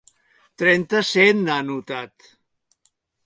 Trenta-set, n'ha anotat.